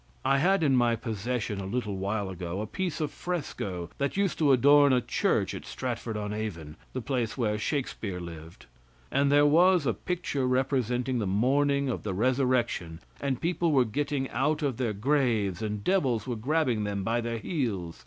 I had in my possession a little while ago a piece of fresco that used to adorn a church at Stratford on Avon, the place where Shakespeare lived, and there was a picture representing the morning of the resurrection and people were getting out of their graves and devils were grabbing them by their heels.